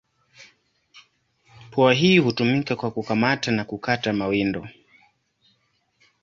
Pua hii hutumika kwa kukamata na kukata mawindo.